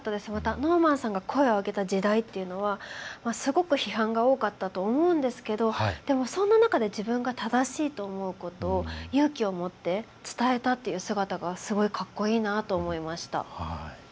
ノーマンさんが声を上げた時代というのはすごく批判が多かったと思うんですけどでも、そんな中で自分が正しいと思うことを勇気を持って伝えたっていう姿がすごいかっこいいなと思いました。